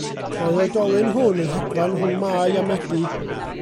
Mae'r oedolyn hwn yn hedfan rhwng Mai a Medi.